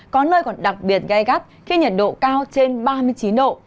có nơi còn đặc biệt gai gắt khi nhiệt độ cao trên ba mươi chín độ